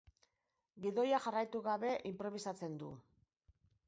Gidoia jarraitu gabe inprobisatzen du.